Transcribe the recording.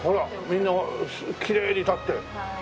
みんなきれいに立って。